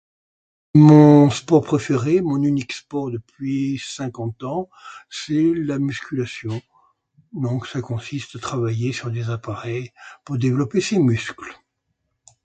Mon sport préféré, mon unique sport depuis cinquante ans c'est la musculation. Donc ça consiste à travailler sur des appareils pour développer ses muscles.